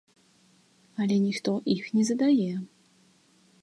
Але ніхто іх не задае.